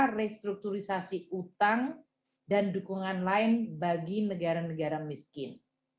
restrukturisasi utang dan dukungan lain bagi negara negara miskin